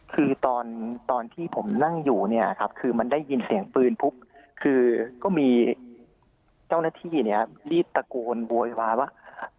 คือตอนตอนที่ผมนั่งอยู่เนี่ยครับคือมันได้ยินเสียงปืนปุ๊บคือก็มีเจ้าหน้าที่เนี่ยรีบตะโกนโวยวายว่า